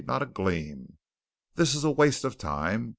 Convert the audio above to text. "Not a gleam. This is waste of time.